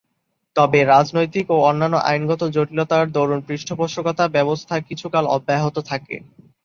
তবে রাজনৈতিক ও অন্যান্য আইনগত জটিলতার দরুণ পৃষ্ঠপোষকতা ব্যবস্থা কিছুকাল অব্যাহত থাকে।